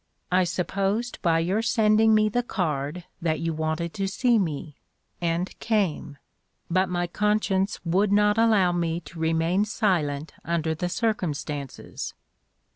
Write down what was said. I supposed by your sending me the card that you wanted to see me, and came; but my conscience would not allow me to remain silent under the circumstances."